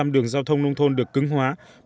một trăm đường giao thông nông thôn được cứng hóa